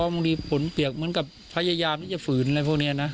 บางทีผลเปียกเหมือนกับพยายามที่จะฝืนอะไรพวกนี้นะ